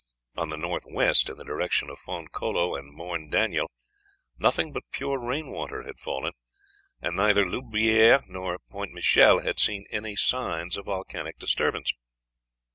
On the north west, in the direction of Fond Colo and Morne Daniel, nothing but pure rain water had fallen, and neither Loubière nor Pointe Michel had seen any signs of volcanic disturbance....